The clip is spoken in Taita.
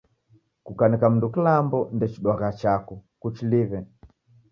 Kukaneka mundu kilambo, ndechiduagha chako. Kuchiliw'e.